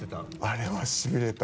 あれはしびれた。